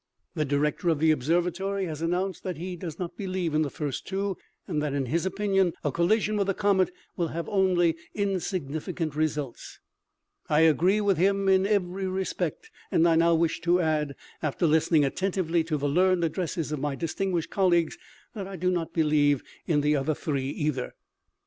to6 OMEGA. " The director of the observatory has announced that he does not believe in the first two, and that in his opinion a collison with the comet will have only insignificant results. I agree with him in every respect, and I now wish to add, after listening attentively to the learned addresses of my distinguished colleagues, that I do not believe in the other three either.